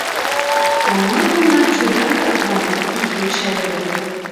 — А молан мемнам чодыра калык маныт? — ик йоча йодо.